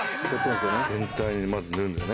全体にまず塗るんだよね。